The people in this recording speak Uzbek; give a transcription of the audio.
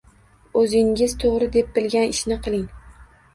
O’zingiz to’g’ri deb bilgan ishni qiling